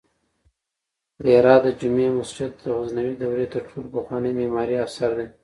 د هرات د جمعې مسجد د غزنوي دورې تر ټولو پخوانی معماری اثر دی